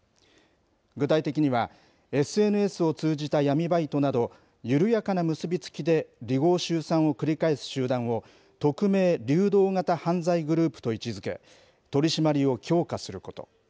具体的には、ＳＮＳを通じた闇バイトなど、緩やかな結び付きで離合集散を繰り返す集団を、匿名・流動型犯罪グループと位置づけ、取締りを強化すること。